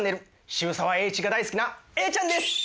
渋沢栄一が大好きなＡちゃんです！